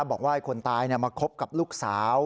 บอกว่าคนตายมาคบกับลูกสาว